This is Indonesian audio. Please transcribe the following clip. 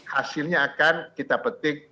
hasilnya akan kita petik